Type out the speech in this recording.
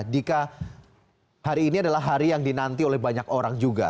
dika hari ini adalah hari yang dinanti oleh banyak orang juga